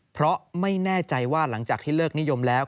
เพราะไม่แน่ใจว่าหลังจากที่เลิกนิยมแล้ว